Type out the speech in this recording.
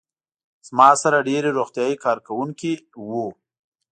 زما سره ډېری روغتیايي کارکوونکي وو.